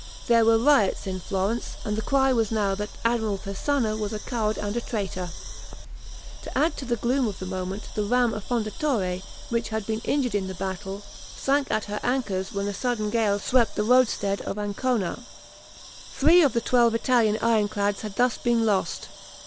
There were riots in Florence, and the cry was now that Admiral Persano was a coward and a traitor. To add to the gloom of the moment the ram "Affondatore," which had been injured in the battle, sank at her anchors when a sudden gale swept the roadstead of Ancona. Three of the twelve Italian ironclads had thus been lost.